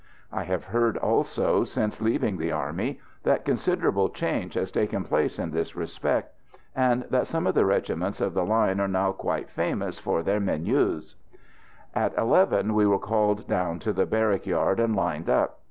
I have heard also, since leaving the army, that considerable change has taken place in this respect, and that some of the regiments of the line are now quite famous for their menus. At eleven we were called down to the barrack yard and lined up.